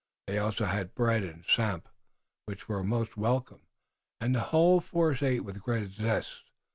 They also had bread and samp, which were most welcome, and the whole force ate with great zest.